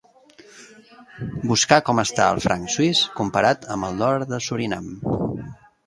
Buscar com està el franc suís comparat amb el dòlar de Surinam.